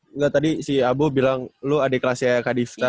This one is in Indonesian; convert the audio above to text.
enggak tadi si abu bilang lo adik kelasnya kadifta